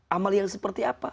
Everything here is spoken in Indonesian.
amal yang seperti apa